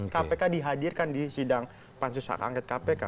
kpk dihadirkan di sidang pansusaka angkat kpk